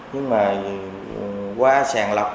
nhưng mà qua sàng lọc